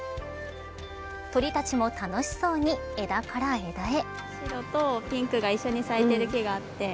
鳥たちも楽しそうに枝から枝へ。